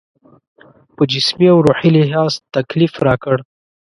په جسمي او روحي لحاظ تکلیف راکړ.